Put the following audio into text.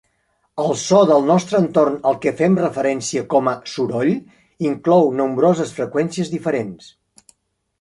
El so del nostre entorn al que fem referència com a "soroll" inclou nombroses freqüències diferents.